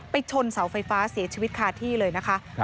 ชนเสาไฟฟ้าเสียชีวิตคาที่เลยนะคะ